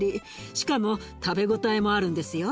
しかも食べ応えもあるんですよ。